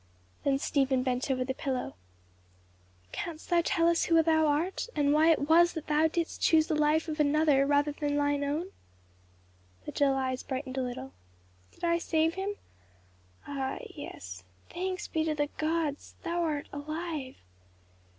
Then Stephen bent over the pillow. "Canst thou tell us who thou art, and why it was that thou didst choose the life of another rather than thine own?" The dull eyes brightened a little, "Did I save him? Ah, yes thanks be to the gods! thou art alive.